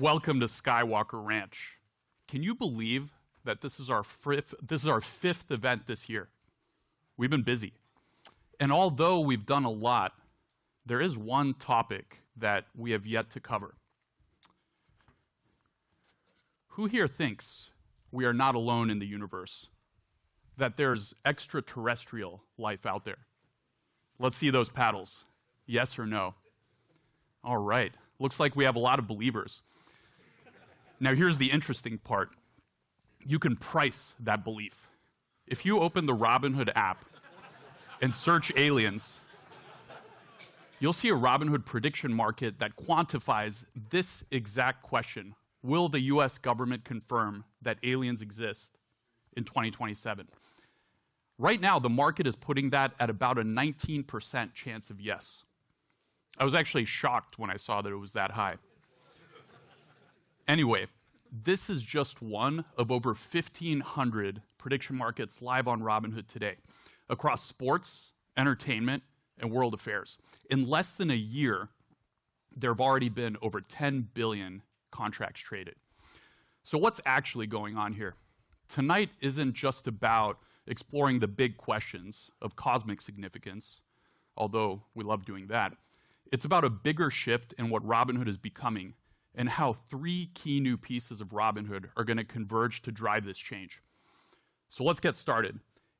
Welcome to Skywalker Ranch. Can you believe that this is our fifth event this year? We've been busy. And although we've done a lot, there is one topic that we have yet to cover. Who here thinks we are not alone in the universe? That there's extraterrestrial life out there? Let's see those paddles. Yes or no? All right. Looks like we have a lot of believers. Now, here's the interesting part. You can price that belief. If you open the Robinhood app and search aliens, you'll see a Robinhood prediction market that quantifies this exact question: Will the U.S. government confirm that aliens exist in 2027? Right now, the market is putting that at about a 19% chance of yes. I was actually shocked when I saw that it was that high. Anyway, this is just one of over 1,500 prediction markets live on Robinhood today across sports, entertainment, and world affairs. In less than a year, there have already been over 10 billion contracts traded. So what's actually going on here? Tonight isn't just about exploring the big questions of cosmic significance, although we love doing that. It's about a bigger shift in what Robinhood is becoming and how three key new pieces of Robinhood are going to converge to drive this change. So let's get started.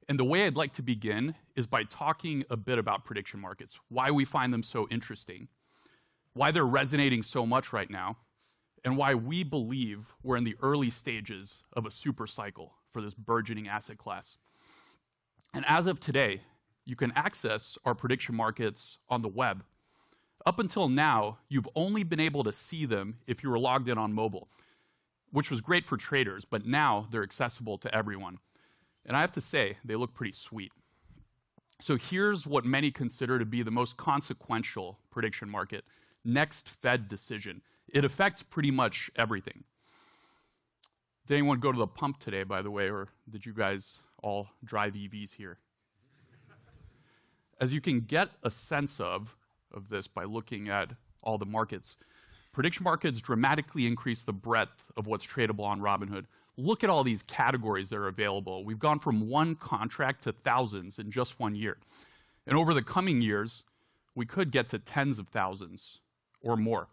And the way I'd like to begin is by talking a bit about prediction markets, why we find them so interesting, why they're resonating so much right now, and why we believe we're in the early stages of a supercycle for this burgeoning asset class. And as of today, you can access our prediction markets on the web. Up until now, you've only been able to see them if you were logged in on mobile, which was great for traders, but now they're accessible to everyone. And I have to say, they look pretty sweet. So here's what many consider to be the most consequential prediction market: next Fed decision. It affects pretty much everything. Did anyone go to the pump today, by the way, or did you guys all drive EVs here? As you can get a sense of this by looking at all the markets, prediction markets dramatically increase the breadth of what's tradable on Robinhood. Look at all these categories that are available. We've gone from one contract to thousands in just one year. And over the coming years, we could get to tens of thousands or more.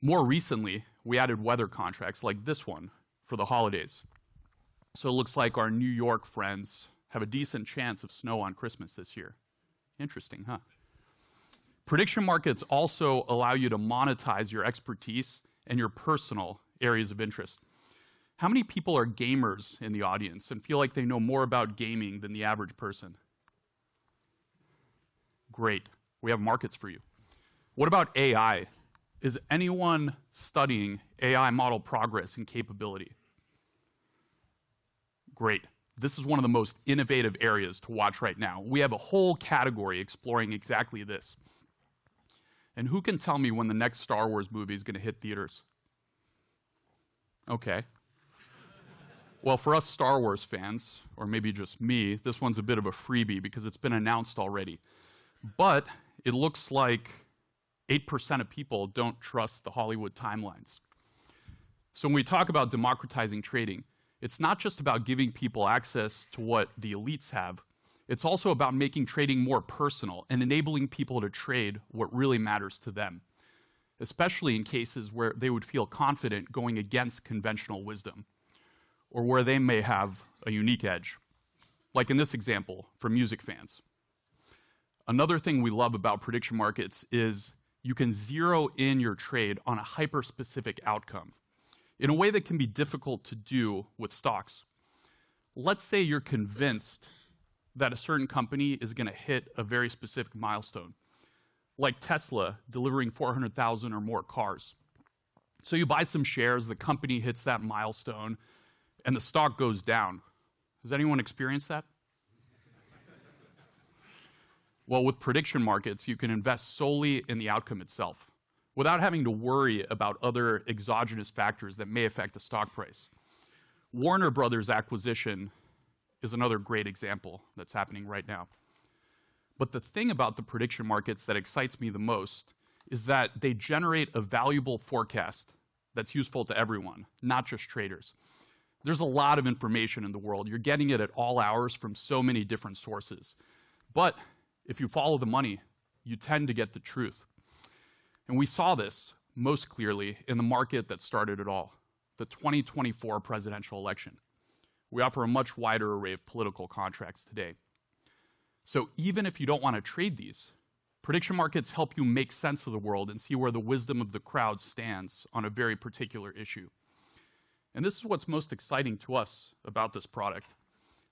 More recently, we added weather contracts like this one for the holidays. It looks like our New York friends have a decent chance of snow on Christmas this year. Interesting, huh? Prediction markets also allow you to monetize your expertise and your personal areas of interest. How many people are gamers in the audience and feel like they know more about gaming than the average person? Great. We have markets for you. What about AI? Is anyone studying AI model progress and capability? Great. This is one of the most innovative areas to watch right now. We have a whole category exploring exactly this. Who can tell me when the next Star Wars movie is going to hit theaters? Okay. For us Star Wars fans, or maybe just me, this one's a bit of a freebie because it's been announced already. It looks like 8% of people don't trust the Hollywood timelines. So when we talk about democratizing trading, it's not just about giving people access to what the elites have. It's also about making trading more personal and enabling people to trade what really matters to them, especially in cases where they would feel confident going against conventional wisdom or where they may have a unique edge, like in this example for music fans. Another thing we love about prediction markets is you can zero in your trade on a hyper-specific outcome in a way that can be difficult to do with stocks. Let's say you're convinced that a certain company is going to hit a very specific milestone, like Tesla delivering 400,000 or more cars. So you buy some shares, the company hits that milestone, and the stock goes down. Has anyone experienced that? With prediction markets, you can invest solely in the outcome itself without having to worry about other exogenous factors that may affect the stock price. Warner Bros.' acquisition is another great example that's happening right now. But the thing about the prediction markets that excites me the most is that they generate a valuable forecast that's useful to everyone, not just traders. There's a lot of information in the world. You're getting it at all hours from so many different sources. But if you follow the money, you tend to get the truth. And we saw this most clearly in the market that started it all, the 2024 presidential election. We offer a much wider array of political contracts today. So even if you don't want to trade these, prediction markets help you make sense of the world and see where the wisdom of the crowd stands on a very particular issue. And this is what's most exciting to us about this product.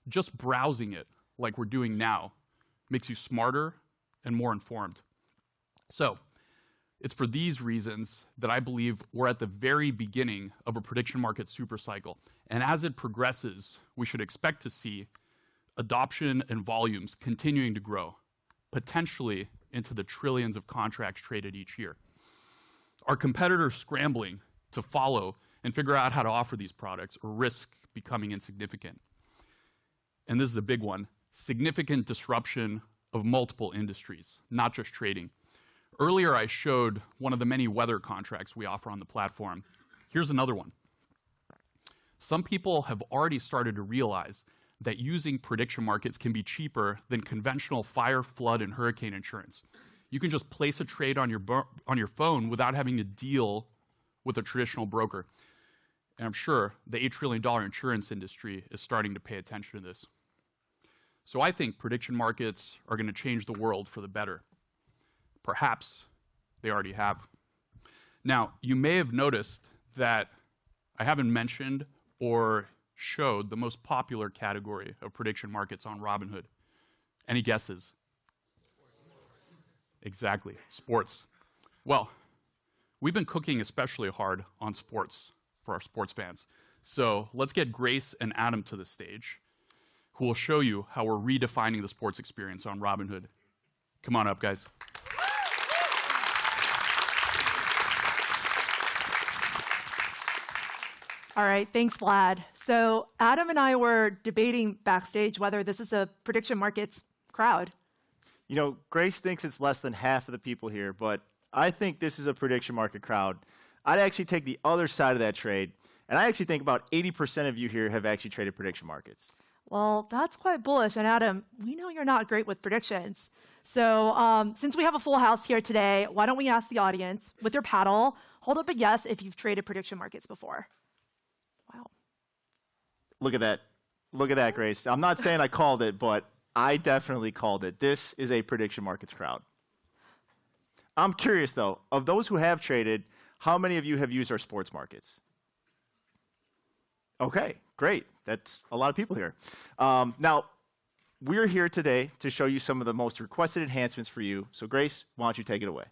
Just browsing it like we're doing now makes you smarter and more informed. So it's for these reasons that I believe we're at the very beginning of a prediction market supercycle. And as it progresses, we should expect to see adoption and volumes continuing to grow, potentially into the trillions of contracts traded each year. Our competitors scrambling to follow and figure out how to offer these products or risk becoming insignificant. And this is a big one: significant disruption of multiple industries, not just trading. Earlier, I showed one of the many weather contracts we offer on the platform. Here's another one. Some people have already started to realize that using prediction markets can be cheaper than conventional fire, flood, and hurricane insurance. You can just place a trade on your phone without having to deal with a traditional broker. And I'm sure the $8 trillion insurance industry is starting to pay attention to this. So I think prediction markets are going to change the world for the better. Perhaps they already have. Now, you may have noticed that I haven't mentioned or showed the most popular category of prediction markets on Robinhood. Any guesses? Sports. Exactly. Sports. Well, we've been cooking especially hard on sports for our sports fans. So let's get Grace and Adam to the stage, who will show you how we're redefining the sports experience on Robinhood. Come on up, guys. All right. Thanks, Vlad. So Adam and I were debating backstage whether this is a prediction markets crowd. You know, Grace thinks it's less than half of the people here, but I think this is a prediction market crowd. I'd actually take the other side of that trade, and I actually think about 80% of you here have actually traded prediction markets. Well, that's quite bullish. And Adam, we know you're not great with predictions. So since we have a full house here today, why don't we ask the audience with their paddle, hold up a yes if you've traded prediction markets before. Wow. Look at that. Look at that, Grace. I'm not saying I called it, but I definitely called it. This is a prediction markets crowd. I'm curious, though, of those who have traded, how many of you have used our sports markets? Okay. Great. That's a lot of people here. Now, we're here today to show you some of the most requested enhancements for you. So Grace, why don't you take it away?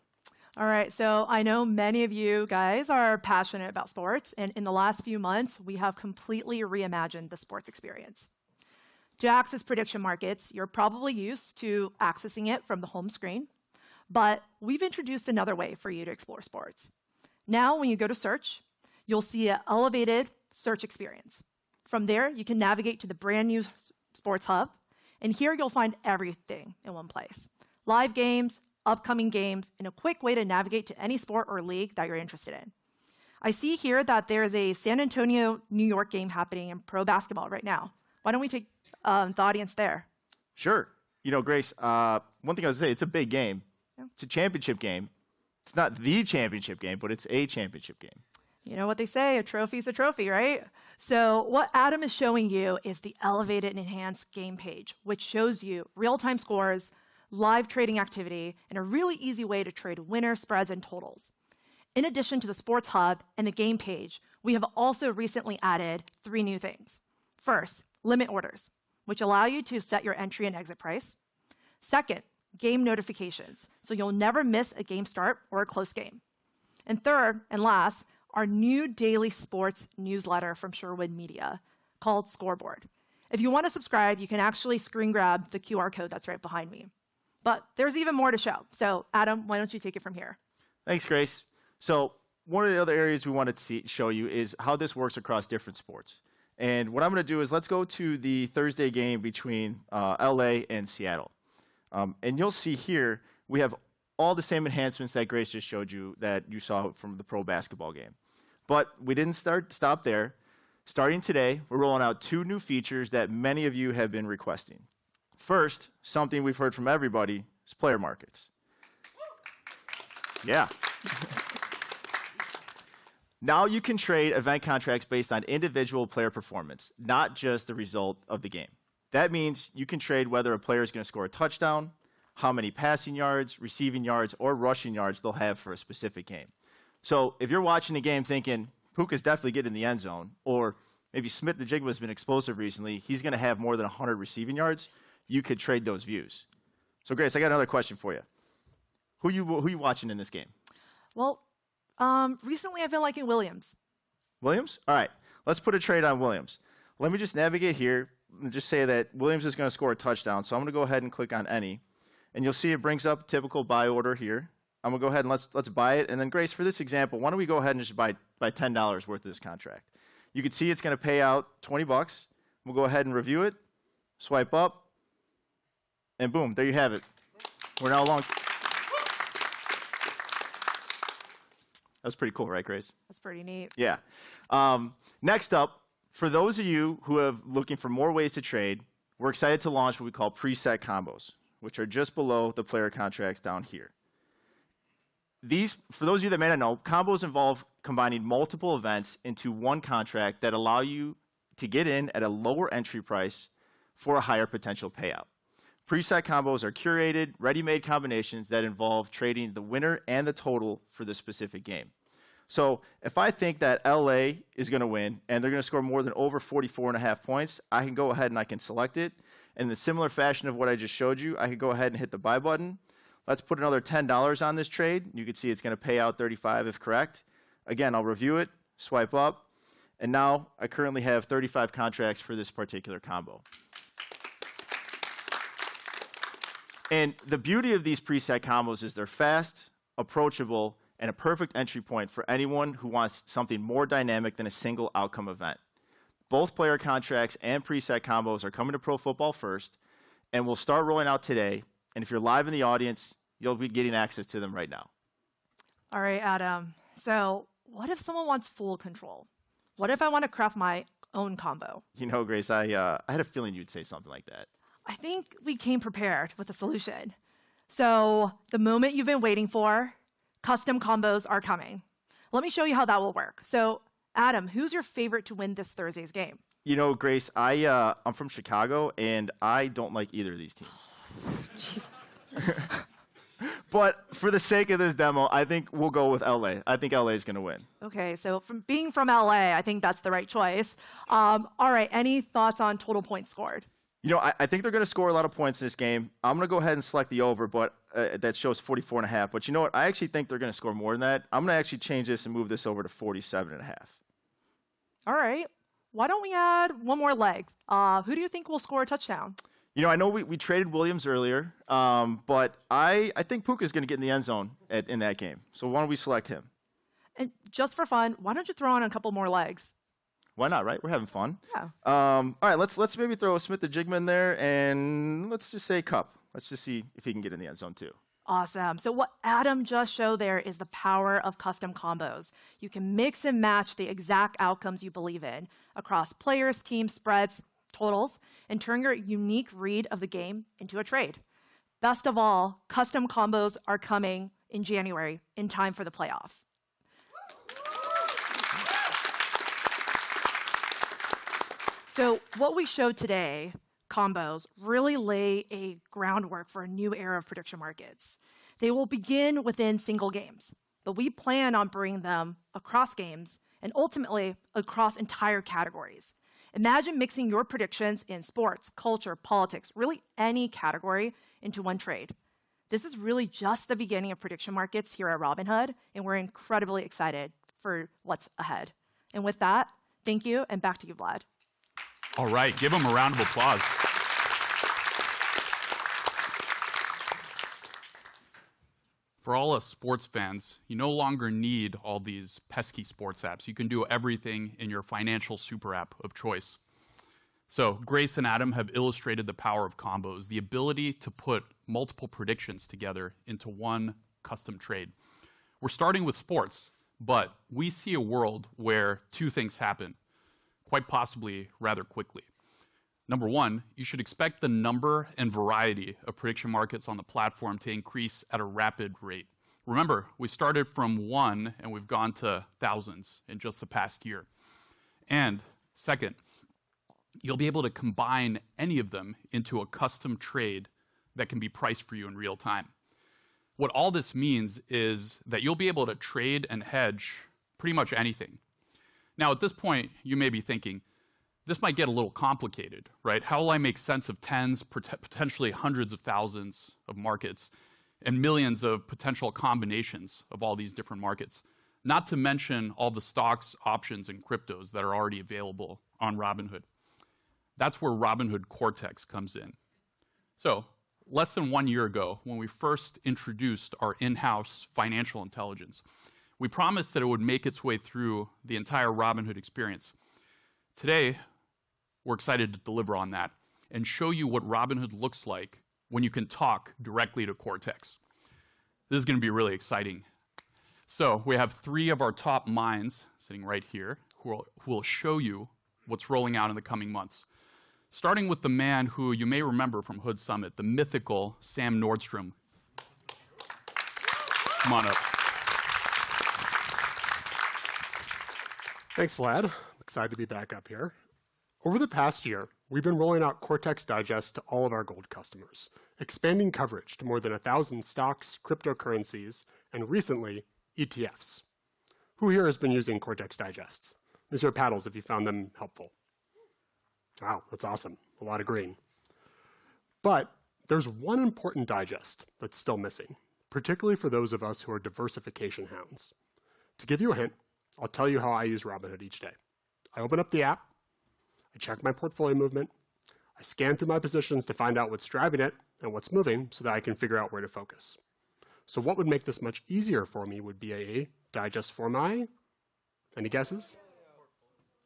All right. So I know many of you guys are passionate about sports. And in the last few months, we have completely reimagined the sports experience. To access prediction markets, you're probably used to accessing it from the home screen. But we've introduced another way for you to explore sports. Now, when you go to search, you'll see an elevated search experience. From there, you can navigate to the brand new Sports Hub. And here, you'll find everything in one place: live games, upcoming games, and a quick way to navigate to any sport or league that you're interested in. I see here that there is a San Antonio-New York game happening in pro basketball right now. Why don't we take the audience there? Sure. You know, Grace, one thing I was going to say, it's a big game. It's a championship game. It's not the championship game, but it's a championship game. You know what they say, a trophy's a trophy, right? So what Adam is showing you is the elevated and enhanced game page, which shows you real-time scores, live trading activity, and a really easy way to trade winners, spreads, and totals. In addition to the Sports Hub and the game page, we have also recently added three new things. First, limit orders, which allow you to set your entry and exit price. Second, game notifications, so you'll never miss a game start or a close game. And third and last, our new daily sports newsletter from Sherwood Media called Scoreboard. If you want to subscribe, you can actually screen grab the QR code that's right behind me. But there's even more to show. So Adam, why don't you take it from here? Thanks, Grace. So one of the other areas we wanted to show you is how this works across different sports. And what I'm going to do is let's go to the Thursday game between L.A. and Seattle. And you'll see here we have all the same enhancements that Grace just showed you that you saw from the pro basketball game. But we didn't stop there. Starting today, we're rolling out two new features that many of you have been requesting. First, something we've heard from everybody is player markets. Yeah. Now you can trade event contracts based on individual player performance, not just the result of the game. That means you can trade whether a player is going to score a touchdown, how many passing yards, receiving yards, or rushing yards they'll have for a specific game. So if you're watching a game thinking, "Puka's definitely getting the end zone," or maybe "Smith-Njigba has been explosive recently. He's going to have more than 100 receiving yards," you could trade those views. So Grace, I got another question for you. Who are you watching in this game? Recently, I've been liking Williams. Williams? All right. Let's put a trade on Williams. Let me just navigate here and just say that Williams is going to score a touchdown. So I'm going to go ahead and click on any. And you'll see it brings up typical buy order here. I'm going to go ahead and let's buy it. And then, Grace, for this example, why don't we go ahead and just buy $10 worth of this contract? You can see it's going to pay out $20. We'll go ahead and review it, swipe up, and boom, there you have it. We're now long. That was pretty cool, right, Grace? That's pretty neat. Yeah. Next up, for those of you who are looking for more ways to trade, we're excited to launch what we call preset combos, which are just below the player contracts down here. For those of you that may not know, combos involve combining multiple events into one contract that allow you to get in at a lower entry price for a higher potential payout. Preset combos are curated, ready-made combinations that involve trading the winner and the total for the specific game. So if I think that L.A. is going to win and they're going to score more than over 44.5 points, I can go ahead and I can select it. And in a similar fashion of what I just showed you, I can go ahead and hit the buy button. Let's put another $10 on this trade. You can see it's going to pay out 35 if correct. Again, I'll review it, swipe up, and now I currently have 35 contracts for this particular combo. The beauty of these preset combos is they're fast, approachable, and a perfect entry point for anyone who wants something more dynamic than a single outcome event. Both player contracts and preset combos are coming to Pro Football first, and we'll start rolling out today. If you're live in the audience, you'll be getting access to them right now. All right, Adam. So what if someone wants full control? What if I want to craft my own combo? You know, Grace, I had a feeling you'd say something like that. I think we came prepared with a solution. So the moment you've been waiting for, custom combos are coming. Let me show you how that will work. So Adam, who's your favorite to win this Thursday's game? You know, Grace, I'm from Chicago, and I don't like either of these teams. Oh, geez. But for the sake of this demo, I think we'll go with L.A. I think L.A. is going to win. Okay. So being from L.A., I think that's the right choice. All right. Any thoughts on total points scored? You know, I think they're going to score a lot of points in this game. I'm going to go ahead and select the over, but that shows 44.5. But you know what? I actually think they're going to score more than that. I'm going to actually change this and move this over to 47.5. All right. Why don't we add one more leg? Who do you think will score a touchdown? You know, I know we traded Williams earlier, but I think Puka's is going to get in the end zone in that game. So why don't we select him? And just for fun, why don't you throw on a couple more legs? Why not, right? We're having fun. Yeah. All right. Let's maybe throw a Smith-Njigba there, and let's just say Kupp. Let's just see if he can get in the end zone too. Awesome. So what Adam just showed there is the power of custom combos. You can mix and match the exact outcomes you believe in across players, teams, spreads, totals, and turn your unique read of the game into a trade. Best of all, custom combos are coming in January in time for the playoffs. So what we showed today, combos, really lay a groundwork for a new era of prediction markets. They will begin within single games, but we plan on bringing them across games and ultimately across entire categories. Imagine mixing your predictions in sports, culture, politics, really any category into one trade. This is really just the beginning of prediction markets here at Robinhood. And we're incredibly excited for what's ahead. And with that, thank you. And back to you, Vlad. All right. Give them a round of applause. For all us sports fans, you no longer need all these pesky sports apps. You can do everything in your financial super app of choice, so Grace and Adam have illustrated the power of combos, the ability to put multiple predictions together into one custom trade. We're starting with sports, but we see a world where two things happen, quite possibly rather quickly. Number one, you should expect the number and variety of prediction markets on the platform to increase at a rapid rate. Remember, we started from one, and we've gone to thousands in just the past year, and second, you'll be able to combine any of them into a custom trade that can be priced for you in real time. What all this means is that you'll be able to trade and hedge pretty much anything. Now, at this point, you may be thinking, this might get a little complicated, right? How will I make sense of tens, potentially hundreds of thousands of markets and millions of potential combinations of all these different markets, not to mention all the stocks, options, and cryptos that are already available on Robinhood? That's where Robinhood Cortex comes in. So less than one year ago, when we first introduced our in-house financial intelligence, we promised that it would make its way through the entire Robinhood experience. Today, we're excited to deliver on that and show you what Robinhood looks like when you can talk directly to Cortex. This is going to be really exciting. So we have three of our top minds sitting right here who will show you what's rolling out in the coming months, starting with the man who you may remember from HOOD Summit, the mythical Sam Nordstrom. Come on up. Thanks, Vlad. Excited to be back up here. Over the past year, we've been rolling out Cortex Digest to all of our gold customers, expanding coverage to more than 1,000 stocks, cryptocurrencies, and recently, ETFs. Who here has been using Cortex Digests? Let me see your paddles if you found them helpful. Wow, that's awesome. A lot of green. But there's one important digest that's still missing, particularly for those of us who are diversification hounds. To give you a hint, I'll tell you how I use Robinhood each day. I open up the app. I check my portfolio movement. I scan through my positions to find out what's driving it and what's moving so that I can figure out where to focus. So what would make this much easier for me would be a digest for my... Any guesses?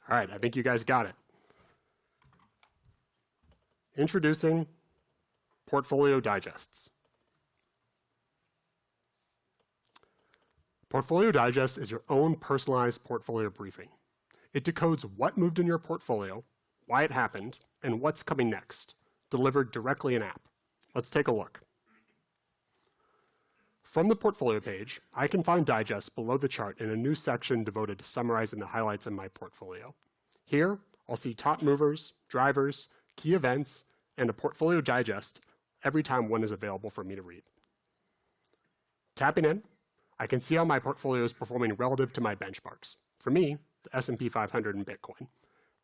All right. I think you guys got it. Introducing Portfolio Digests. Portfolio Digest is your own personalized portfolio briefing. It decodes what moved in your portfolio, why it happened, and what's coming next, delivered directly in-app. Let's take a look. From the portfolio page, I can find digests below the chart in a new section devoted to summarizing the highlights in my portfolio. Here, I'll see top movers, drivers, key events, and a portfolio digest every time one is available for me to read. Tapping in, I can see how my portfolio is performing relative to my benchmarks, for me, the S&P 500 and Bitcoin,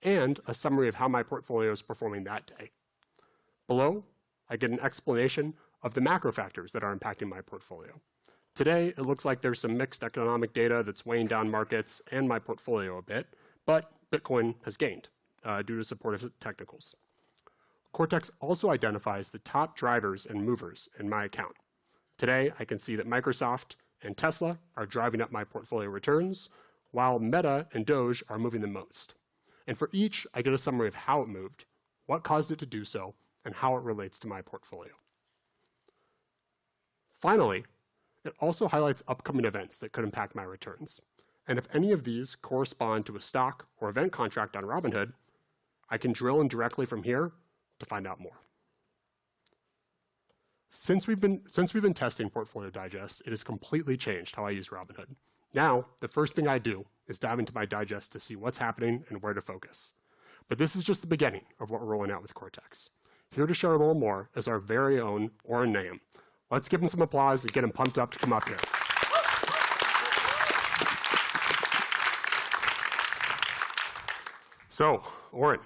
and a summary of how my portfolio is performing that day. Below, I get an explanation of the macro factors that are impacting my portfolio. Today, it looks like there's some mixed economic data that's weighing down markets and my portfolio a bit, but Bitcoin has gained due to supportive technicals. Cortex also identifies the top drivers and movers in my account. Today, I can see that Microsoft and Tesla are driving up my portfolio returns, while Meta and Doge are moving the most, and for each, I get a summary of how it moved, what caused it to do so, and how it relates to my portfolio. Finally, it also highlights upcoming events that could impact my returns, and if any of these correspond to a stock or event contract on Robinhood, I can drill in directly from here to find out more. Since we've been testing Portfolio Digest, it has completely changed how I use Robinhood. Now, the first thing I do is dive into my digest to see what's happening and where to focus, but this is just the beginning of what we're rolling out with Cortex. Here to share a little more is our very own Oren Naim. Let's give him some applause and get him pumped up to come up here. So, Orin,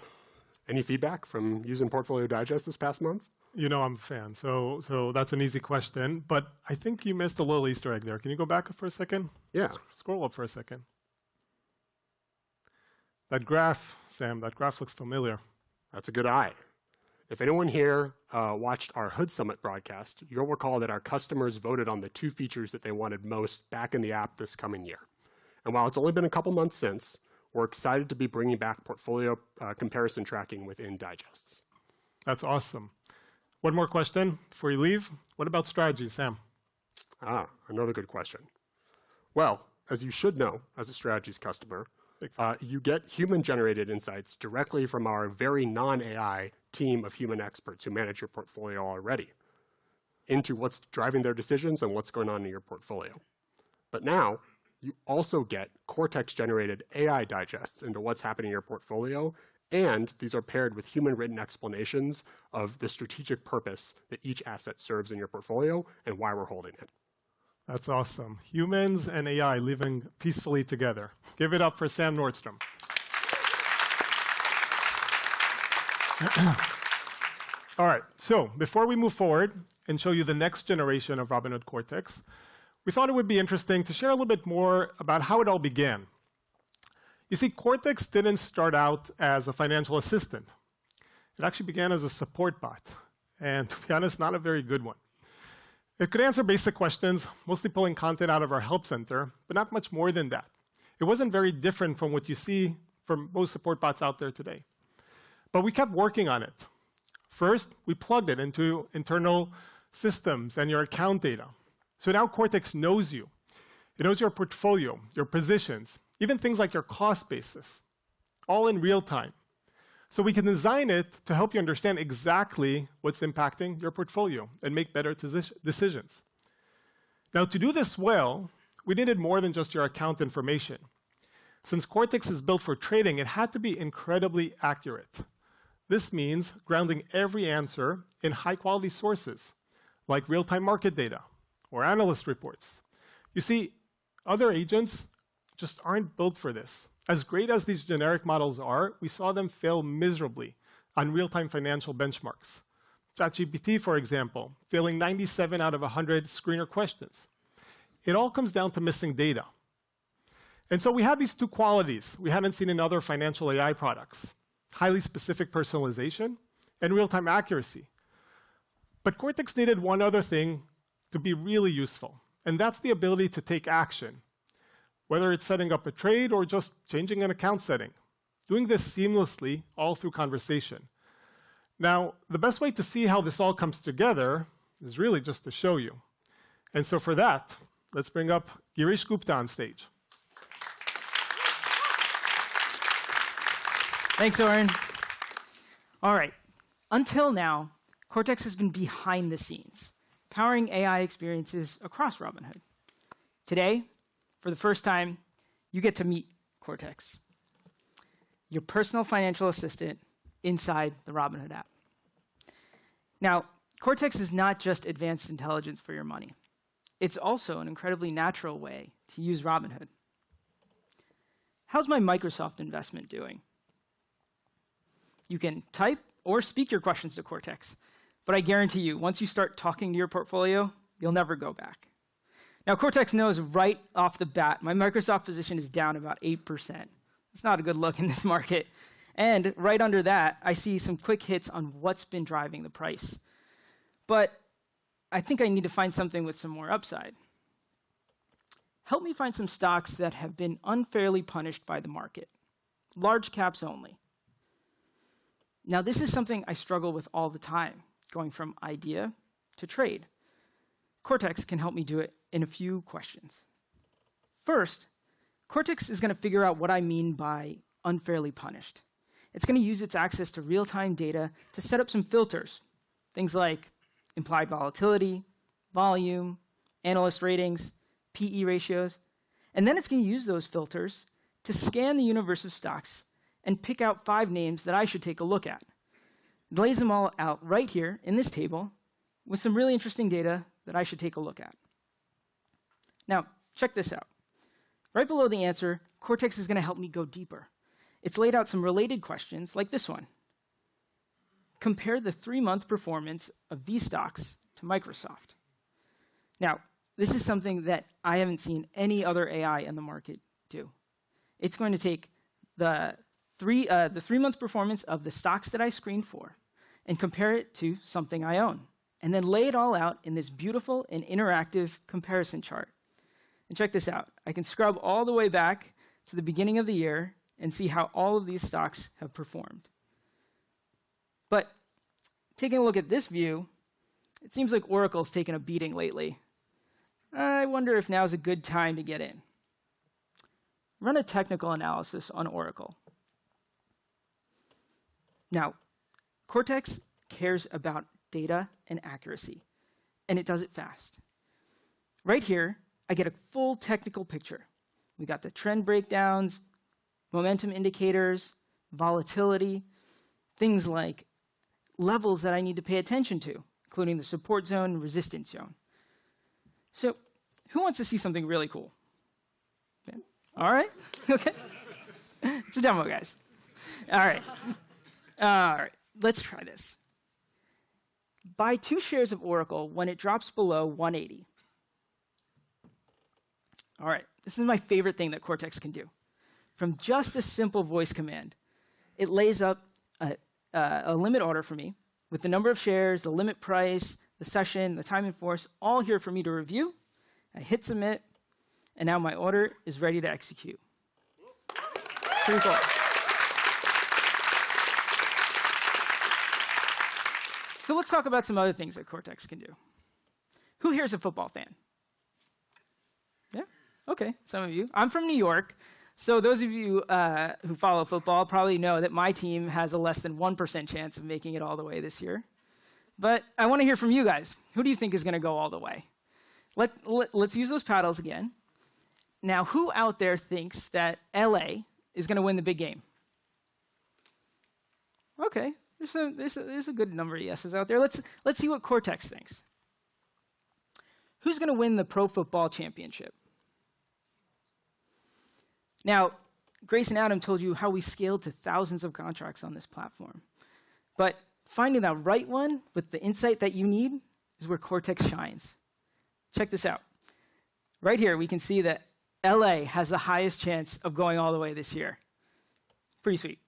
any feedback from using Portfolio Digest this past month? You know I'm a fan, so that's an easy question. But I think you missed a little Easter egg there. Can you go back up for a second? Yeah. Scroll up for a second. That graph, Sam, that graph looks familiar. That's a good eye. If anyone here watched our HOOD Summit broadcast, you'll recall that our customers voted on the two features that they wanted most back in the app this coming year, and while it's only been a couple months since, we're excited to be bringing back portfolio comparison tracking within digests. That's awesome. One more question before we leave. What about strategies, Sam? Another good question. Well, as you should know, as a strategies customer, you get human-generated insights directly from our very non-AI team of human experts who manage your portfolio already into what's driving their decisions and what's going on in your portfolio. But now, you also get Cortex-generated AI digests into what's happening in your portfolio. And these are paired with human-written explanations of the strategic purpose that each asset serves in your portfolio and why we're holding it. That's awesome. Humans and AI living peacefully together. Give it up for Sam Nordstrom. All right, so before we move forward and show you the next generation of Robinhood Cortex, we thought it would be interesting to share a little bit more about how it all began. You see, Cortex didn't start out as a financial assistant. It actually began as a support bot. And to be honest, not a very good one. It could answer basic questions, mostly pulling content out of our help center, but not much more than that. It wasn't very different from what you see from most support bots out there today, but we kept working on it. First, we plugged it into internal systems and your account data, so now Cortex knows you. It knows your portfolio, your positions, even things like your cost basis, all in real time. So we can design it to help you understand exactly what's impacting your portfolio and make better decisions. Now, to do this well, we needed more than just your account information. Since Cortex is built for trading, it had to be incredibly accurate. This means grounding every answer in high-quality sources like real-time market data or analyst reports. You see, other agents just aren't built for this. As great as these generic models are, we saw them fail miserably on real-time financial benchmarks. ChatGPT, for example, failing 97 out of 100 screener questions. It all comes down to missing data. And so we have these two qualities we haven't seen in other financial AI products: highly specific personalization and real-time accuracy. But Cortex needed one other thing to be really useful. That's the ability to take action, whether it's setting up a trade or just changing an account setting, doing this seamlessly all through conversation. Now, the best way to see how this all comes together is really just to show you. So for that, let's bring up Girish Gupta on stage. Thanks, Oren. All right. Until now, Cortex has been behind the scenes powering AI experiences across Robinhood. Today, for the first time, you get to meet Cortex, your personal financial assistant inside the Robinhood app. Now, Cortex is not just advanced intelligence for your money. It's also an incredibly natural way to use Robinhood. How's my Microsoft investment doing? You can type or speak your questions to Cortex. But I guarantee you, once you start talking to your portfolio, you'll never go back. Now, Cortex knows right off the bat, my Microsoft position is down about 8%. That's not a good look in this market. And right under that, I see some quick hits on what's been driving the price. But I think I need to find something with some more upside. Help me find some stocks that have been unfairly punished by the market, large caps only. Now, this is something I struggle with all the time, going from idea to trade. Cortex can help me do it in a few questions. First, Cortex is going to figure out what I mean by unfairly punished. It's going to use its access to real-time data to set up some filters, things like implied volatility, volume, analyst ratings, PE ratios. And then it's going to use those filters to scan the universe of stocks and pick out five names that I should take a look at. It lays them all out right here in this table with some really interesting data that I should take a look at. Now, check this out. Right below the answer, Cortex is going to help me go deeper. It's laid out some related questions like this one. Compare the three-month performance of these stocks to Microsoft. Now, this is something that I haven't seen any other AI in the market do. It's going to take the three-month performance of the stocks that I screened for and compare it to something I own, and then lay it all out in this beautiful and interactive comparison chart. And check this out. I can scrub all the way back to the beginning of the year and see how all of these stocks have performed. But taking a look at this view, it seems like Oracle's taken a beating lately. I wonder if now is a good time to get in. Run a technical analysis on Oracle. Now, Cortex cares about data and accuracy, and it does it fast. Right here, I get a full technical picture. We got the trend breakdowns, momentum indicators, volatility, things like levels that I need to pay attention to, including the support zone and resistance zone. So who wants to see something really cool? All right. Okay. It's a demo, guys. All right. All right. Let's try this. Buy two shares of Oracle when it drops below 180. All right. This is my favorite thing that Cortex can do. From just a simple voice command, it lays out a limit order for me with the number of shares, the limit price, the session, the time in force, all here for me to review. I hit submit, and now my order is ready to execute. Pretty cool. So let's talk about some other things that Cortex can do. Who here is a football fan? Yeah? Okay. Some of you. I'm from New York. So those of you who follow football probably know that my team has a less than 1% chance of making it all the way this year. But I want to hear from you guys. Who do you think is going to go all the way? Let's use those paddles again. Now, who out there thinks that L.A. is going to win the big game? Okay. There's a good number of yeses out there. Let's see what Cortex thinks. Who's going to win the Pro Football Championship? Now, Grace and Adam told you how we scaled to thousands of contracts on this platform. But finding the right one with the insight that you need is where Cortex shines. Check this out. Right here, we can see that L.A. has the highest chance of going all the way this year. Pretty sweet.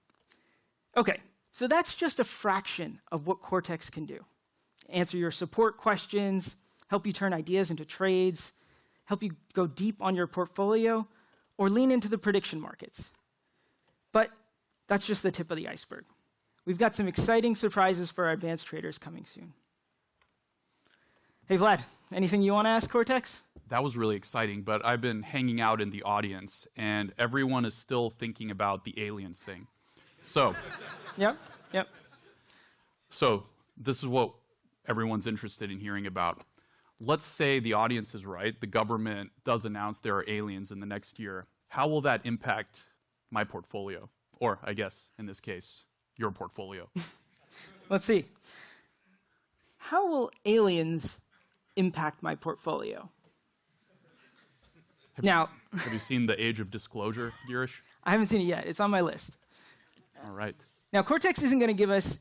Okay. So that's just a fraction of what Cortex can do: answer your support questions, help you turn ideas into trades, help you go deep on your portfolio, or lean into the prediction markets. But that's just the tip of the iceberg. We've got some exciting surprises for our advanced traders coming soon. Hey, Vlad, anything you want to ask Cortex? That was really exciting. I've been hanging out in the audience, and everyone is still thinking about the aliens thing. So. Yep. Yep. So this is what everyone's interested in hearing about. Let's say the audience is right. The government does announce there are aliens in the next year. How will that impact my portfolio? Or, I guess, in this case, your portfolio. Let's see. How will aliens impact my portfolio? Now. Have you seen the age of disclosure, Girish? I haven't seen it yet. It's on my list. All right. Now, Cortex isn't going to give us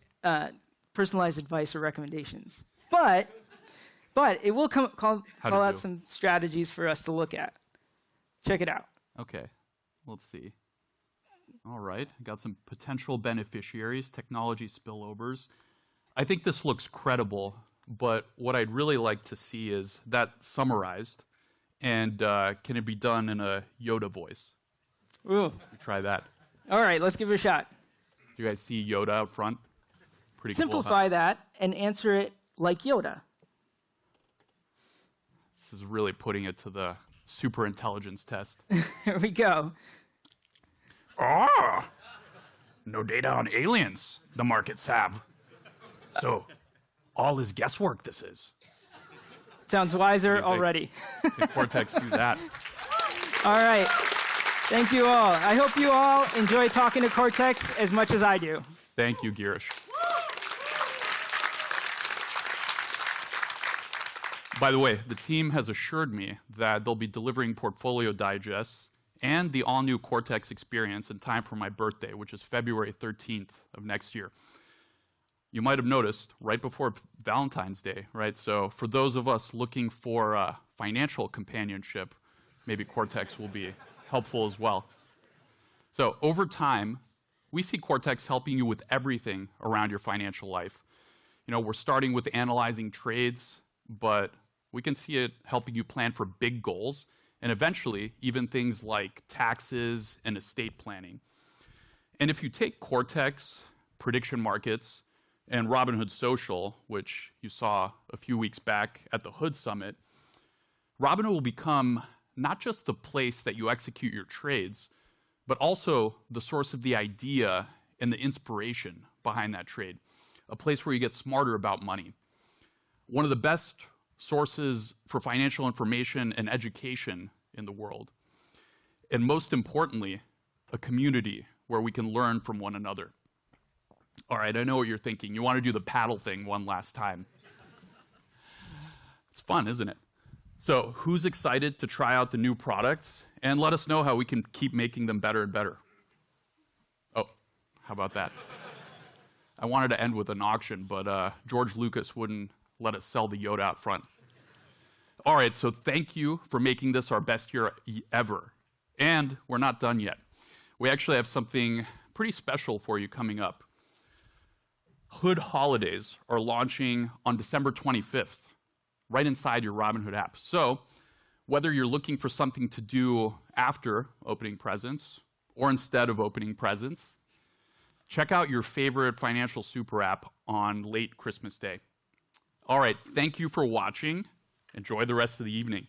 personalized advice or recommendations. But it will call out some strategies for us to look at. Check it out. I got some potential beneficiaries, technology spillovers. I think this looks credible. But what I'd really like to see is that summarized, and can it be done in a Yoda voice? Ooh. We'll try that. All right. Let's give it a shot. Do you guys see Yoda up front? Pretty cool. Simplify that and answer it like Yoda. This is really putting it to the superintelligence test. Here we go. No data on aliens the markets have. So all is guesswork, this is. Sounds wiser already. Can Cortex do that? All right. Thank you all. I hope you all enjoy talking to Cortex as much as I do. Thank you, Girish. By the way, the team has assured me that they'll be delivering Portfolio Digests and the all-new Cortex experience in time for my birthday, which is February 13th of next year. You might have noticed right before Valentine's Day, right? So for those of us looking for financial companionship, maybe Cortex will be helpful as well. So over time, we see Cortex helping you with everything around your financial life. We're starting with analyzing trades, but we can see it helping you plan for big goals and eventually even things like taxes and estate planning. If you take Cortex, prediction markets, and Robinhood Social, which you saw a few weeks back at the HOOD Summit, Robinhood will become not just the place that you execute your trades, but also the source of the idea and the inspiration behind that trade, a place where you get smarter about money, one of the best sources for financial information and education in the world, and most importantly, a community where we can learn from one another. All right. I know what you're thinking. You want to do the paddle thing one last time. It's fun, isn't it? Who's excited to try out the new products? And let us know how we can keep making them better and better. Oh. How about that? I wanted to end with an auction, but George Lucas wouldn't let us sell the Yoda out front. All right. Thank you for making this our best year ever. We're not done yet. We actually have something pretty special for you coming up. HOOD Holidays are launching on December 25th, right inside your Robinhood app. Whether you're looking for something to do after opening presents or instead of opening presents, check out your favorite financial super app on late Christmas Day. All right. Thank you for watching. Enjoy the rest of the evening.